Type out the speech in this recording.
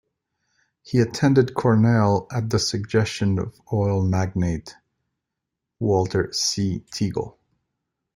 He attended Cornell at the suggestion of oil magnate Walter C. Teagle.